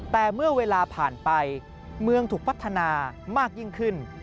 แต่เมื่อเวลาผ่านไปเมืองถูกพัฒนามากยิ่งขึ้น